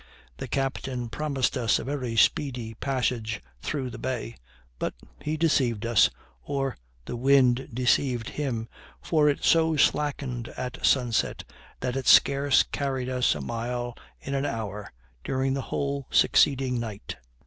The captain promised us a very speedy passage through the bay; but he deceived us, or the wind deceived him, for it so slackened at sunset, that it scarce carried us a mile in an hour during the whole succeeding night.